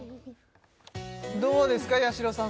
どうですかやしろさん